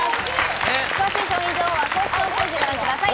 詳しい商品情報は公式ホームページをご覧ください。